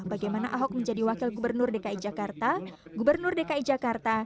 bagaimana ahok menjadi wakil gubernur dki jakarta gubernur dki jakarta